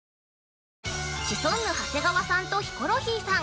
◆シソンヌ・長谷川さんとヒコロヒーさん。